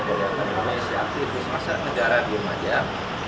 bagaimana menurut saya keputusan masyarakat di majap